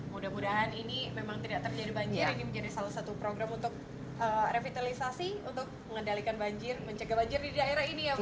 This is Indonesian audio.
mudah mudahan ini memang tidak terjadi banjir ini menjadi salah satu program untuk revitalisasi untuk mengendalikan banjir mencegah banjir di daerah ini ya bu